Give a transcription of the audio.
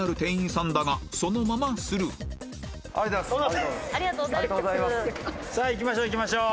さあ行きましょう行きましょう。